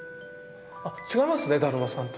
あっ違いますね「だるまさん」と。